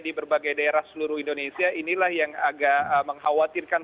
di berbagai daerah seluruh indonesia inilah yang agak mengkhawatirkan